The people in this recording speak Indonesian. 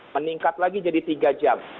meningkat lagi jadi tiga jam